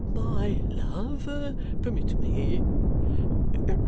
"My love, permit me!